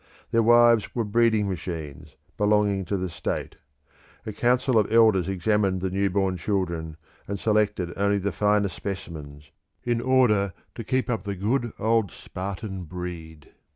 The wives were breeding machines, belonging to the state; a council of elders examined the new born children, and selected only the finer specimens, in order to keep up the good old Spartan breed.